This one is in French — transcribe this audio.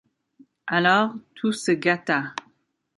Alors, tout se gâta.